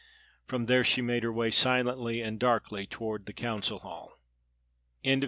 From there she made her way silently and darkly toward the council hall. CHAPTER X.